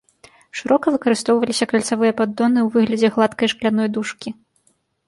Шырока выкарыстоўваліся кальцавыя паддоны ў выглядзе гладкай шкляной дужкі.